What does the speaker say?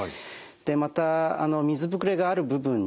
でまた水ぶくれがある部分にですね